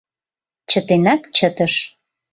Чытенак чытыш.